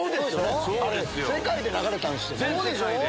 世界で流れたんすよね。